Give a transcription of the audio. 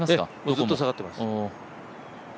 ずっと下がってます。